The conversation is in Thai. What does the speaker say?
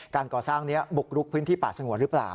การก่อสร้างนี้บุกรุกพื้นที่ป่าสงวนหรือเปล่า